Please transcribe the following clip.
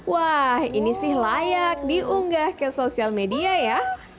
wah ini sih layak diunggah ke sosial media ya